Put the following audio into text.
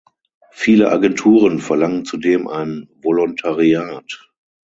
Viele Agenturen verlangen zudem ein Volontariat.